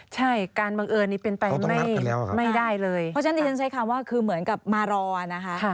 ใช่การบังเอิญนี้เป็นไปไม่ได้เลยเพราะฉะนั้นดิฉันใช้คำว่าคือเหมือนกับมารอนะคะ